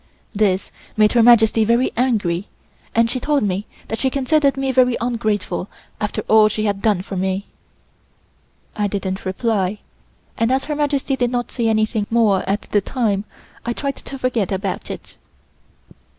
This made Her Majesty very angry, and she told me that she considered me very ungrateful after all she had done for me. I didn't reply, and as her Majesty did not say anything more at the time, I tried to forget about it.